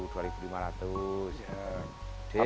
tapi kering loh